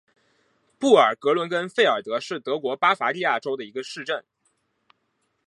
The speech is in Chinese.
布尔格伦根费尔德是德国巴伐利亚州的一个市镇。